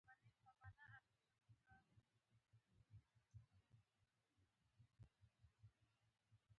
ښاري پلانونه په عملي توګه تطبیقیږي.